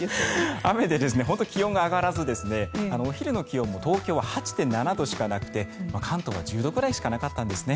雨で本当に気温が上がらずお昼の気温も東京は８．７度しかなくて関東は１０度くらいしかなかったんですね。